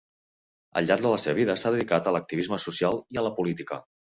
Al llarg de la seva vida s'ha dedicat a l'activisme social i a la política.